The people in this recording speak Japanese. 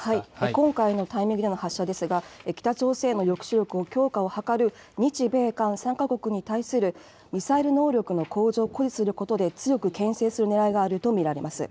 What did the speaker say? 今回のタイミングでの発射ですが、北朝鮮の抑止力の強化を図る日米韓３か国に対する、ミサイル能力の向上を誇示することで、強くけん制するねらいがあると見られます。